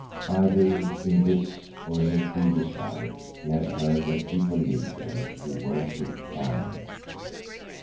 Either in this or in a previous life he had heard that people lived there who worshipped fire.